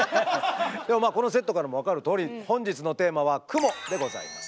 このセットからも分かるとおり本日のテーマは「クモ」でございます。